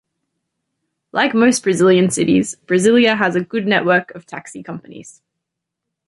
Like most Brazilian cities, Brasilia has a good network of taxi companies.